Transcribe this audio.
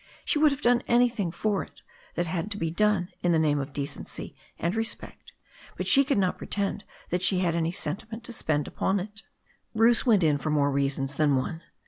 She would have done anything for it that had to be done in the name of decency and respect, but she could not pretend that she had any sentiment to sp€nd upon it. Bruce went in for more reasons than one.